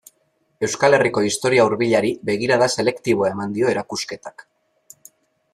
Euskal Herriko historia hurbilari begirada selektiboa eman dio erakusketak.